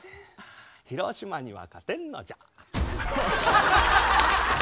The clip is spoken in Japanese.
広島には勝てんのじゃ。